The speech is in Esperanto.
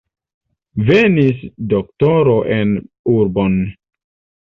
Venis doktoro en urbeton.